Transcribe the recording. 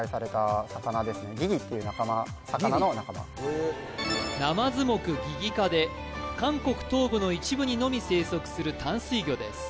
何か時事でギギへえナマズ目ギギ科で韓国東部の一部にのみ生息する淡水魚です